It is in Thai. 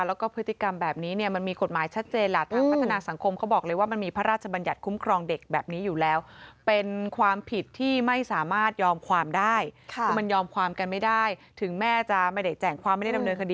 แล้วก็พฤติกรรมแบบนี้เนี่ยมันมีกฎหมายชัดเจนละ